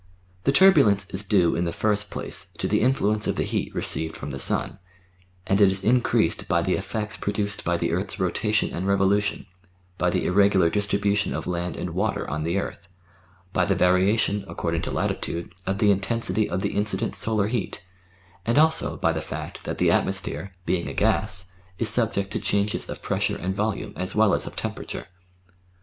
The turbulence is due in the first place to the influence of the heat received from the sun, and it is increased by the effects produced by the earth's rotation and revolution; by the irregular distribution of land and water on the earth; by the variation, according to latitude, of the intensity of the incident solar heat ; and also by the fact that the atmosphere, being a gas, is subject to changes of pressure and volume as well as of tem perature.